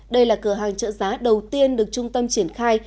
đây là cửa hàng chợ giá đầu tiên được trung tâm triển khai